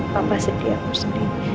papa sedih aku sedih